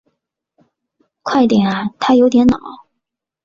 快点啊他有点恼